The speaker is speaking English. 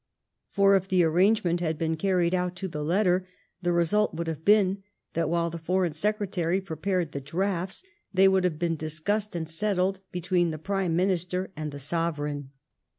For if the arrangement had been carried out to the letter, the result would have been, that while the Foreign Secretary prepared the drafts, they would have been discussed and settled between the Prime Minister and the Sovereign.''